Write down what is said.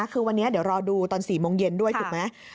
คือวันนี้เดี๋ยวรอดูตอน๔โมงเย็นด้วยถูกไหม